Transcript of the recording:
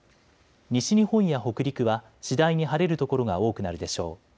西日本や北陸は次第に晴れる所が多くなるでしょう。